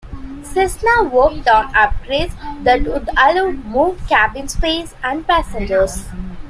Cessna worked on upgrades that would allow more cabin space and passengers.